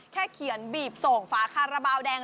แค่เขียนบีบส่งฝาคาราบาลแดง